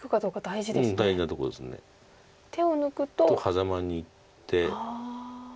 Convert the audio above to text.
ハザマにいって。